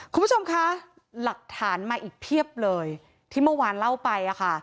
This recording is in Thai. คุณผู้ชมคะหลักฐานมาอีกเพียบเลยที่เมื่อวานเล่าไป